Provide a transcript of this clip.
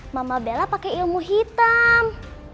mama bella pakai ilmu hitam